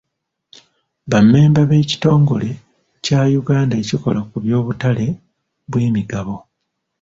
Ba mmemba b'ekitongole kya Uganda ekikola ku by'obutale bw'emigabo.